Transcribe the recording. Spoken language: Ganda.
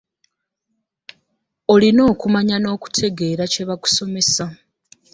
Olina okumanya n'okutegeera kyebakusomesa.